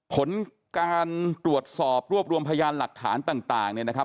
ผลการตรวจสอบรวบรวมพยานหลักฐานต่างเนี่ยนะครับ